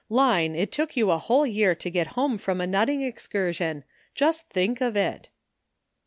"Line, it took you a whole year to get home from a nutting excursion ; just think of it!"